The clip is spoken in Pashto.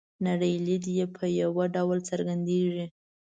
نړۍ لید یې په یوه ډول څرګندیږي.